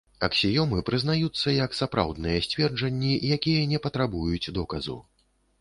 Аксіёмы прызнаюцца як сапраўдныя сцверджанні, якія не патрабуюць доказу.